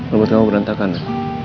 lompat kamu berantakan ya